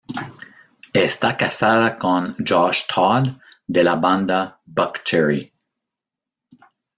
Está casada con Josh Todd de la banda Buckcherry.